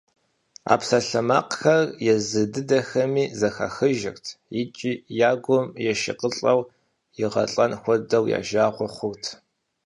А псалъэмакъхэр езы дыдэхэми зэхахыжырт икӀи я гум ешыкъылӀэу, игъэлӀэн хуэдэу я жагъуэ хъурт.